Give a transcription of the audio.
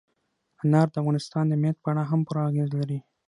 انار د افغانستان د امنیت په اړه هم پوره اغېز لري.